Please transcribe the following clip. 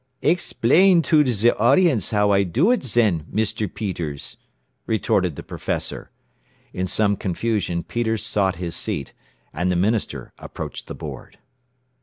"Explain to ze audience how I do it, zen, Mr. Peters," retorted the professor. In some confusion Peters sought his seat, and the minister approached the board.